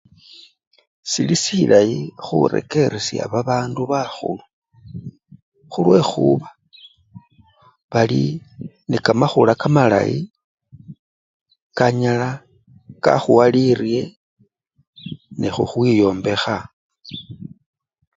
Sili silayi khurekeresya babandu bakhulu khulwekhuba bali nee kamakhula kamalayi kanyala kakhuwa lirye nekhwikhwiyombekha.